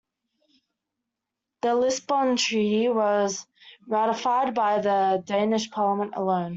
The Lisbon treaty was ratified by the Danish parliament alone.